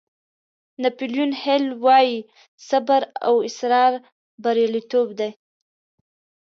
ناپیلیون هیل وایي صبر او اصرار بریالیتوب دی.